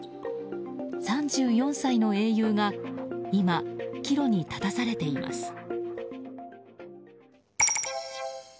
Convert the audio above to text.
３４歳の英雄が今岐路に立たされています。